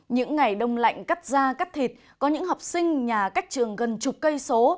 những ngày đông lạnh cắt da cắt thịt có những học sinh nhà cách trường gần chục cây số